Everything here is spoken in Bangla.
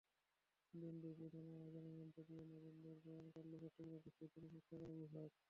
দিনব্যাপী নানা আয়োজনের মধ্য দিয়ে নবীনদের বরণ করল চট্টগ্রাম বিশ্ববিদ্যালয়ের নাট্যকলা বিভাগ।